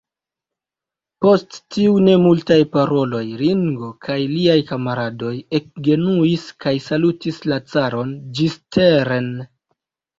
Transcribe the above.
Post tiuj nemultaj paroloj Ringo kaj liaj kamaradoj ekgenuis kaj salutis la caron ĝisteren.